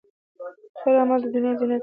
د خیر عمل، د دنیا زینت دی.